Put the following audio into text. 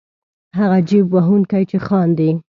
هغه جېب وهونکی چې خاندي.